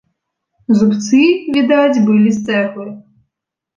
Зубцы, відаць, былі з цэглы.